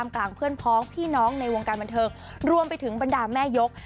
กลางเพื่อนพ้องพี่น้องในวงการบันเทิงรวมไปถึงบรรดาแม่ยก